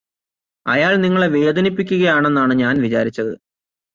അയാള് നിങ്ങളെ വേദനിപ്പിക്കുകയാണെന്നാണ് ഞാന് വിചാരിച്ചത്